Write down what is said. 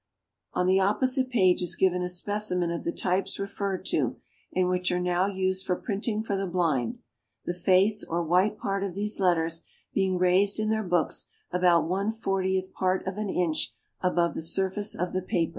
On the opposite page is given a specimen of the types referred to, and which are now used for printing for the blind: the face, or white part of these letters, being raised in their books about one fortieth part of an inch above the surface of the paper.